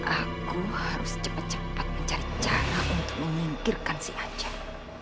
aku harus cepat cepat mencari cara untuk menyingkirkan si aceh